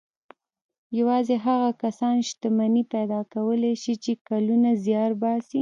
يوازې هغه کسان شتمني پيدا کولای شي چې کلونه زيار باسي.